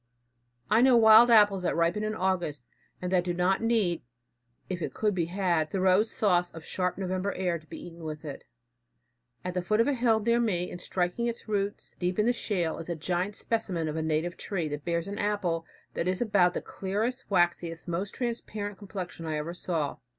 I know wild apples that ripen in August, and that do not need, if it could be had, Thoreau's sauce of sharp November air to be eaten with. At the foot of a hill near me and striking its roots deep in the shale, is a giant specimen of native tree that bears an apple that has about the clearest, waxiest, most transparent complexion I ever saw.